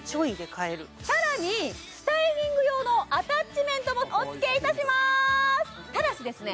買えるさらにスタイリング用のアタッチメントもおつけいたしますただしですね